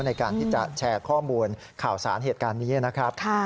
ในการที่จะแชร์ข้อมูลข่าวสารเหตุการณ์นี้นะครับ